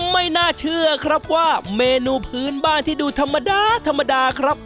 ไม่น่าเชื่อว่าเมนูผืนบ้านที่ดูธรรมดา